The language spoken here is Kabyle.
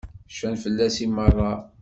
Cfan fell-as i meṛṛa.